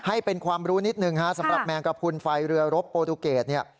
ให้เป็นความรู้นิดหนึ่งฮะสำหรับแมงกระพุนไฟเรือรบโปรตูเกตเนี่ย